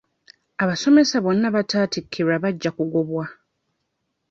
Abasomesa bonna abataatikkirwa bajja kugobwa.